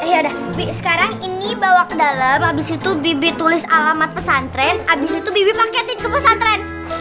iya dah bi sekarang ini bawa ke dalam abis itu bibi tulis alamat pesantren abis itu bibi paketin ke pesantren